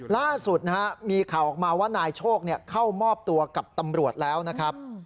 ล่าสุดนะฮะมีข่าวออกมาว่านายโชคเข้ามอบตัวกับตำรวจแล้วนะครับ